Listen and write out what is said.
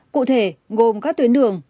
cụ thể gồm các tuyến đường